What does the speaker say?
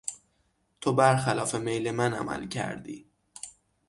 تو برخلاف میل من عمل کردی.